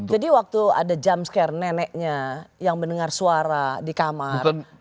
jadi waktu ada jamscare neneknya yang mendengar suara di kamar